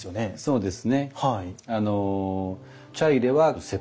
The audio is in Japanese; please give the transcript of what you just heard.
そうですね